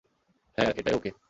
হ্যাঁ এটাই ওকে।